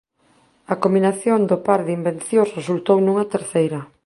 A combinación do par de invencións resultou nunha terceira.